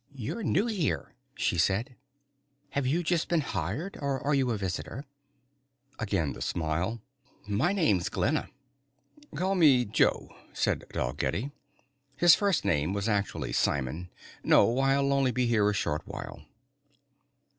"You're new here," she said. "Have you just been hired or are you a visitor?" Again the smile. "My name's Glenna." "Call me Joe," said Dalgetty. His first name was actually Simon. "No, I'll only be here a short while."